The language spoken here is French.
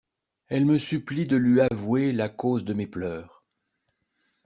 Elle me supplie de lui avouer la cause de mes pleurs.